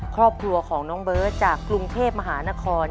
ครอบครัวของน้องเบิร์ตจากกรุงเทพมหานคร